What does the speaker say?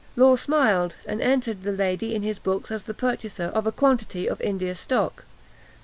Law smiled, and entered the lady in his books as the purchaser of a quantity of India stock.